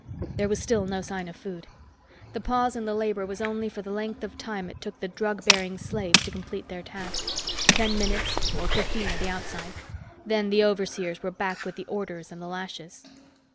There was still no sign of food. The pause in the labor was only for the length of time it took the drug bearing slaves to complete their task. Ten minutes, or fifteen at the outside; then the overseers were back with the orders and the lashes.